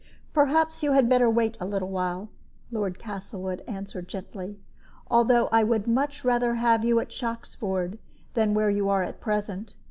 "Perhaps you had better wait a little while," Lord Castlewood answered, gently, "although I would much rather have you at Shoxford than where you are at present.